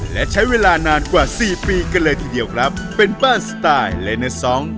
และใช้เวลานานกว่าสี่ปีกันเลยทีเดียวครับเป็นบ้านสไตล์เลเนอร์ซอง